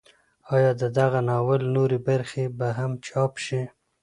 ایا د دغه ناول نورې برخې به هم چاپ شي؟